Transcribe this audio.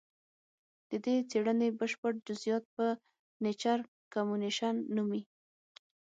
د دې څېړنې بشپړ جزیات په نېچر کمونیکشن نومې